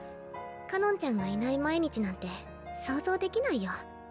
かのんちゃんがいない毎日なんて想像できないよ。